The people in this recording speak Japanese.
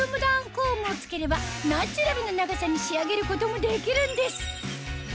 コームを付ければナチュラルな長さに仕上げることもできるんです